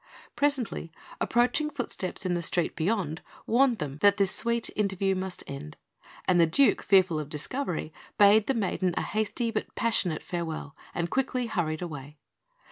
Presently, approaching footsteps in the street beyond warded them that this sweet interview must end; and the Duke, fearful of discovery, bade the maiden a hasty, but passionate farewell, and quickly hurried away.